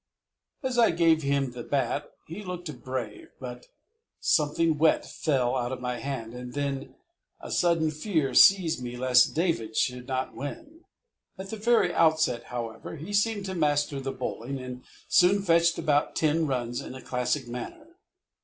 As I gave him the bat he looked brave, but something wet fell on my hand, and then a sudden fear seized me lest David should not win. At the very outset, however, he seemed to master the bowling, and soon fetched about ten runs in a classic manner.